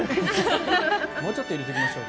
もうちょっと入れときましょう。